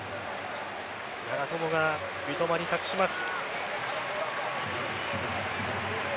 長友が三笘に託します。